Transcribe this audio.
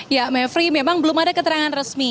ya mevri memang belum ada keterangan resmi